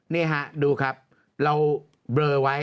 นี่ฮะดูครับ